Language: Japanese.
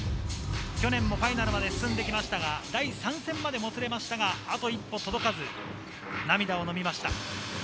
去年もファイナルまで進んできましたが、第３戦までもつれて、あと一歩届かず涙をのみました。